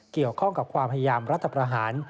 เกี่ยวข้องกับความพยายามรัฐประหาร